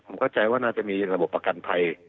ผมเข้าใจว่าน่าจะมีระบบประกันภัย